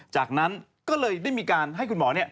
จากนั้นก็เลยได้มีการให้คุณหมอเนี่ย